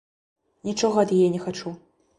Нічога ад яе не хачу.